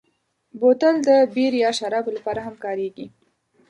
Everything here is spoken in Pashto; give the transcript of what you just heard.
بوتل د بیر یا شرابو لپاره هم کارېږي.